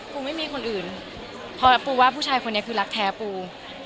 ไม่มีคนอื่นเพราะปูว่าผู้ชายคนนี้คือรักแท้ปู